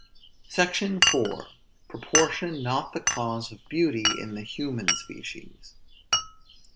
SECTION IV. PROPORTION NOT THE CAUSE OF BEAUTY IN THE HUMAN SPECIES.